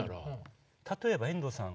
例えば遠藤さん